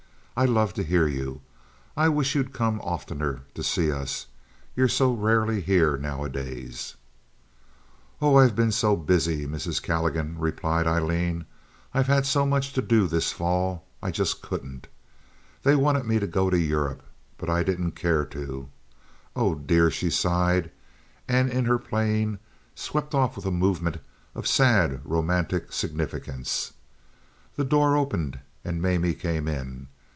"I love to hear you. I wish you'd come oftener to see us. You're so rarely here nowadays." "Oh, I've been so busy, Mrs. Calligan," replied Aileen. "I've had so much to do this fall, I just couldn't. They wanted me to go to Europe; but I didn't care to. Oh, dear!" she sighed, and in her playing swept off with a movement of sad, romantic significance. The door opened and Mamie came in.